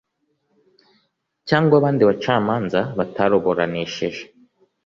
cyangwa abandi bacamanza bataruburanishije